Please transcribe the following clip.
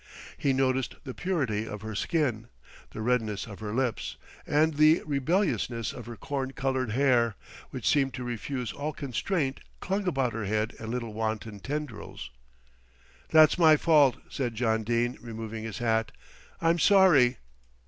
He noticed the purity of her skin, the redness of her lips and the rebelliousness of her corn coloured hair, which seeming to refuse all constraint clung about her head in little wanton tendrils. "That's my fault," said John Dene, removing his hat. "I'm sorry."